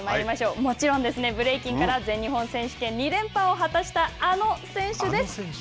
もちろんですね、ブレイキンから全日本選手権２連覇を果たしたあの選手です。